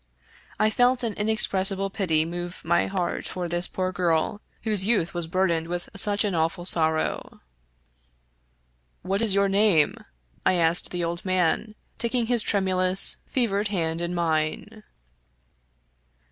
I felt an inexpressible pity move my heart for this poor girl, whose youth was burdened with such an awful sorrow. i6 Fitsjatnes O'Brien " What is your name ?" I asked the old man, taking his tremulous, fevered hand in mine.